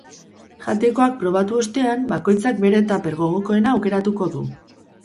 Jatekoak probatu ostean, bakoitzak bere tuper gogokoena aukeratuko du.